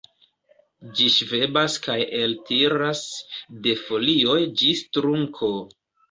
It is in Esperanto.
Ĝi ŝvebas kaj eltiras, de folioj ĝis trunko.